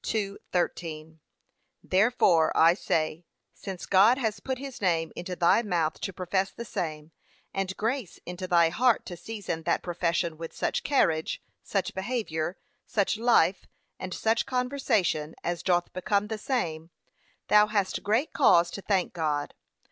2:13) Therefore I say, since God has put his name into thy mouth to profess the same, and grace into thy heart to season that profession with such carriage, such behaviour, such life, and such conversation as doth become the same, thou hast great cause to thank God.